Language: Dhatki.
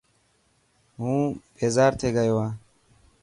هون بيزار ٿي گيو هان.